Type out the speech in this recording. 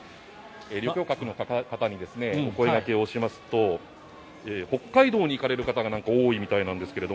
利用客の方にお声掛けをしますと北海道に行かれる方が多いみたいなんですが